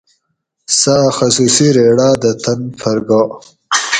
سہ اۤ خصوصی ریڑاۤ دہ تن پھر گا